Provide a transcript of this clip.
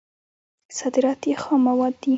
صادرات یې خام مواد دي.